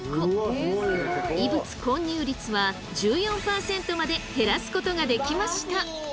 異物混入率は１４％まで減らすことができました！